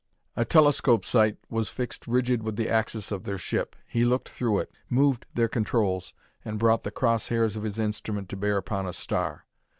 A telescope sight was fixed rigid with the axis of their ship. He looked through it, moved their controls, and brought the cross hairs of his instrument to bear upon a star.